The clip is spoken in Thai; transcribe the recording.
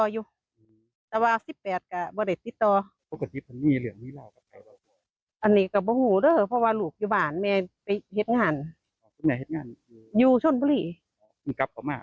อยู่ช่วงบุรี